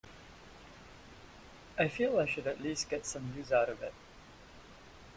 I feel I should at least get some use out of it.